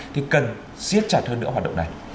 thì cần giết chặt hơn nữa hoạt động này